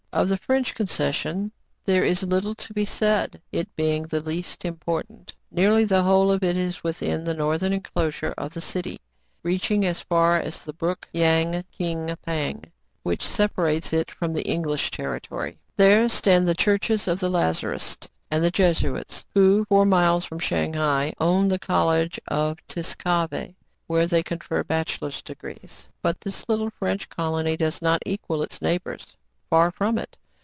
Of the French concession, there is little to be said, it being the least important. Nearly the whole of it is within the northern enclosure of the city, reaching as far as the Brook Yang King Pang, which separates it from the English territory. THE CITY OF SHANG HAI. 29 There stand the churches of the Lazarists and Jesuits, who, four miles from Shang hai, own the college of Tsikave, where they confer bachelors' degrees. But this little French colony does not equal its neighbors : far from it.